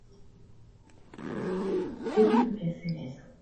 Por sus acciones, los líderes de la rebelión fueron ejecutados.